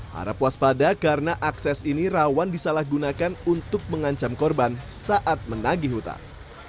harap waspada karena akses ini rawan disalahgunakan untuk mengancam korban saat menagih hutan